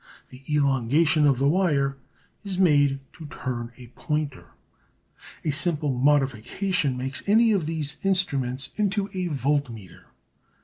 The elongation of the wire is made to turn a pointer. A simple modification makes any of these instruments into a voltmeter.